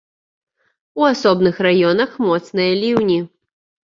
У асобных раёнах моцныя ліўні.